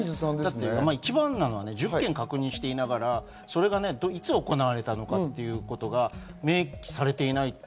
一番は１０件確認していながらいつ行われたのかということが明記されていない。